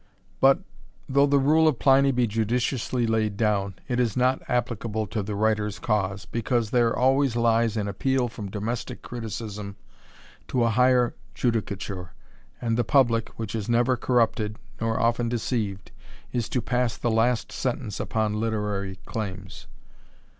But, though the rule of Pliny be judiciously laid down, it is not applicable to the writer's cause, because there always lies an appeal from domestick criticism to a higher judicature, and the publick, which is never corrupted, nor often deceived, is to pass the last sentence upon literary claims.